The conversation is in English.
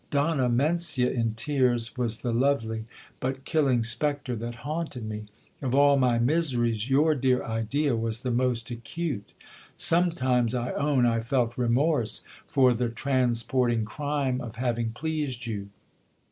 Donna Mencia in tears was the lovely, but killing spectre that haunted me ; of all my miseries, your dear idea was the most acute. Some times, I own, I felt remorse for the transporting crime of having pleased you.